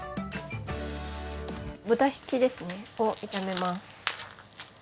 豚ひきですねを炒めます。